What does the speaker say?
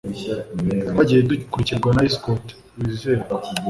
Twagiye dukurikirwa na escort wizerwa